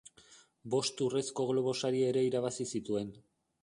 Bost Urrezko Globo Sari ere irabazi zituen.